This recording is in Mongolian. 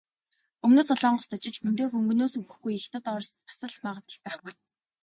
Өмнөд Солонгост очиж хүндээ хөнгөнөөс өгөхгүй, Хятад, Орост нь бас л магадлал байхгүй.